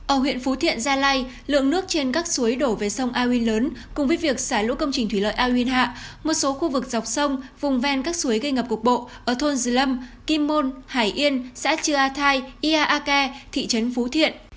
ở huyện phú thiện gia lai lượng nước trên các suối đổ về sông auy lớn cùng với việc xả lũ công trình thủy lợi auy hạ một số khu vực dọc sông vùng ven các suối gây ngập cục bộ ở thôn dư lâm kim môn hải yên xã chưa a thai ia a ke thị trấn phú thiện